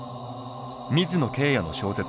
水野敬也の小説